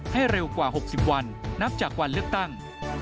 เร็วกว่า๖๐วันนับจากวันเลือกตั้ง